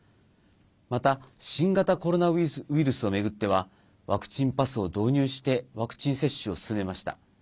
また新型コロナウイルスを巡ってはワクチンパスを導入してワクチン接種を進めました。